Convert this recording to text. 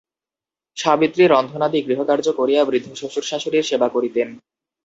সাবিত্রী রন্ধনাদি গৃহকার্য করিয়া বৃদ্ধ শ্বশুর-শাশুড়ীর সেবা করিতেন।